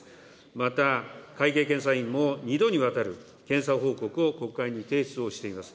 また会計検査院も２度にわたる検査報告を国会に提出をしています。